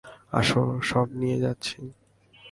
আসো, সব নিয়ে যাচ্ছে!